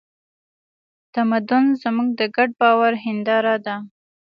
تمدن زموږ د ګډ باور هینداره ده.